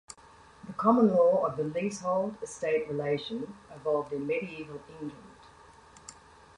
The common law of the leasehold estate relation evolved in medieval England.